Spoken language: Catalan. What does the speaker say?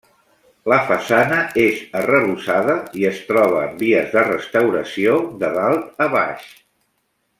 La façana és arrebossada i es troba en vies de restauració de dalt a baix.